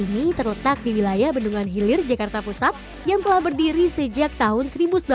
ini terletak di wilayah bendungan hilir jakarta pusat yang telah berdiri sejak tahun seribu sembilan ratus delapan puluh